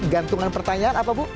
gantungan pertanyaan apa bu